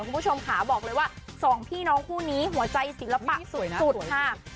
คุณผู้ชมขาบอกเลยว่าสองพี่น้องคู่นี้หัวใจศิลปะสุดค่ะ